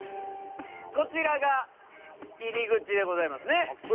こちらが入り口でございますね。